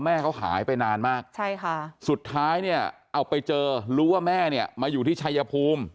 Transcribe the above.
แม่เขาหายไปนานมากใช่ค่ะสุดท้ายเนี่ยเอาไปเจอรู้ว่าแม่เนี่ยมาอยู่ที่ชายภูมิ